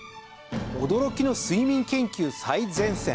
驚きの睡眠研究最前線。